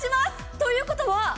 ということは？